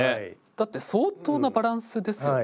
だって相当なバランスですよね。